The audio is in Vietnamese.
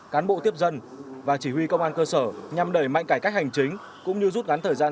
cán bộ tiếp dân và chỉ huy công an cơ sở nhằm đẩy mạnh cải cách hành chính cũng như rút ngắn thời gian